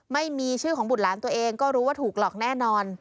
ไม่มีชื่อของบุตรหลานตัวเองก็รู้ว่าถูกหลอกแน่นอน